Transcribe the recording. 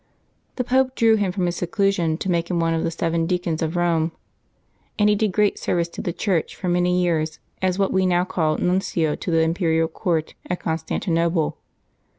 The Pope drew him from his seclusion to make him one of the seven deacons of Eome; and he did great service to the Church for many years as what we now call Nuncio to the imperial court at Constantinople.